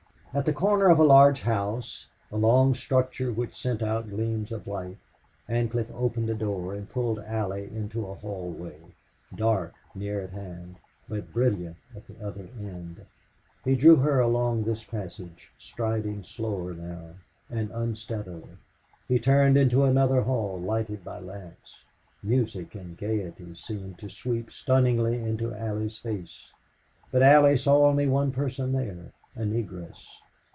At the corner of a large house a long structure which sent out gleams of light Ancliffe opened a door and pulled Allie into a hallway, dark near at hand, but brilliant at the other end. He drew her along this passage, striding slower now and unsteadily. He turned into another hall lighted by lamps. Music and gaiety seemed to sweep stunningly into Allie's face. But Allie saw only one person there a Negress.